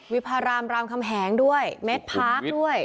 วิพารามรามคำแหงด้วยเม็ดพาร์คด้วย